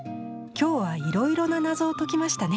今日はいろいろな謎を解きましたね。